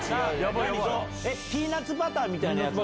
ピーナツバターみたいなやつ？